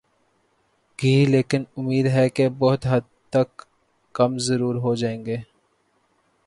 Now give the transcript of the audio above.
گی لیکن امید ہے کہ بہت حد تک کم ضرور ہو جائیں گی۔